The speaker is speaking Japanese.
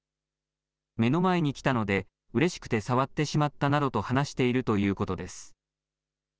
目の前に来たのでうれしくて触ってしまったなどと話しているということです。